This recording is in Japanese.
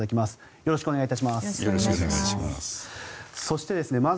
よろしくお願いします。